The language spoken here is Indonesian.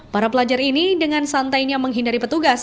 para pelajar ini dengan santainya menghindari petugas